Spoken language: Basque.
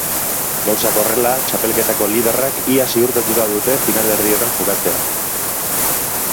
Gauzak horrela, txapelketako liderrak ia ziurtatuta dute finalerdietan jokatzea.